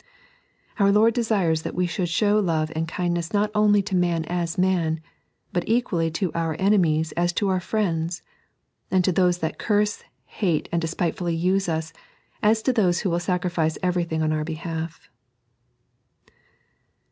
Our Lord desires that we should show love and kindness not only to man as man, but equally to our enemies as to our friends ; to those that curse, hate, and despitefully use us, as to those who will sacrifice everything on our behalf.